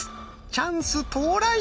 チャンス到来！